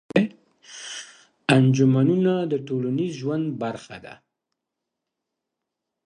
انجمنونه د ټولنيز ژوند برخه ده.